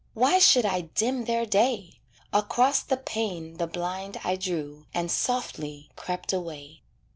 Why should I dim their day? Across the pane the blind I drew, And softly crept away.